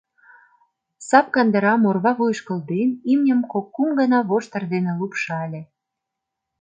Сапкандырам орва вуйыш кылден, имньым кок-кум гана воштыр дене лупшале.